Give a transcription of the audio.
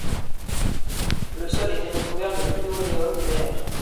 Le sol était recouvert de linoléum vert.